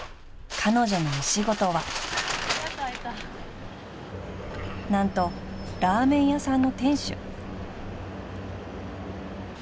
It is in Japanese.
彼女のお仕事は何とラーメン屋さんの店主］